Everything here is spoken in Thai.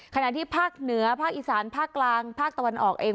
ขณะที่ภาคเหนือภาคอีสานภาคกลางภาคตะวันออกเอง